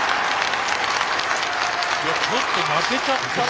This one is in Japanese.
ちょっと泣けちゃったな